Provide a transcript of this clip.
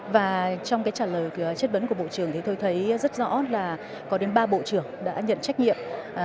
và trong cái trả lời chất vấn của bộ trưởng thì tôi thấy rất rõ là có đến ba bộ trưởng đã nhận trách nhiệm